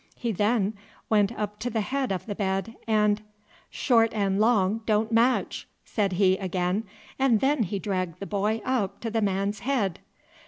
He then went up to the head of the bed, and "Short and long don't match," said he again, and then he dragged the boy up to the man's head.